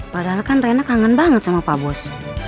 padahal kan rena kangen banget sama pak bos